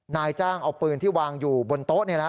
นายจ้างเอาปืนที่วางอยู่บนโต๊ะเนี่ยนะฮะ